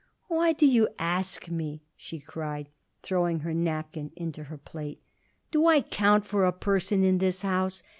"Why do you ask me?" she cried, throwing her napkin into her plate. "Do I count for a person in this house?